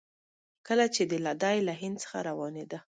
کله چې دی له هند څخه روانېده.